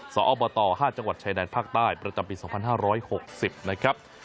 สอบต๕จังหวัดชายแดนภาคใต้ประจำปี๒๕๖๐นะครับ